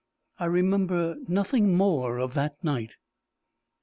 I remember nothing more of that night.